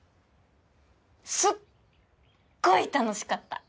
すっごい楽しかった！